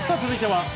続いて私。